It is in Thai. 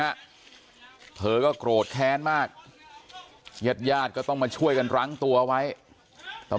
แค้นเหล็กเอาไว้บอกว่ากะจะฟาดลูกชายให้ตายเลยนะ